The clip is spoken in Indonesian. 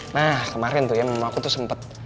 nah kemarin tuh ya memang aku tuh sempet